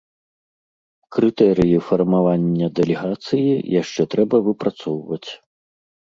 Крытэрыі фармавання дэлегацыі яшчэ трэба выпрацоўваць.